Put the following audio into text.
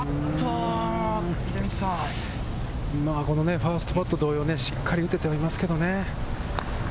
ファーストパット同様、しっかり打ててはいますけれどもね。